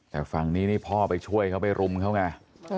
แต่ฝั่งนี้นี่พ่อไปช่วยเขาไปรุมเขาไง